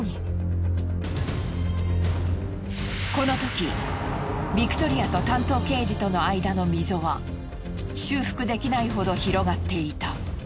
このときビクトリアと担当刑事との間の溝は修復できないほど広がっていた。